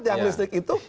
yang listrik itu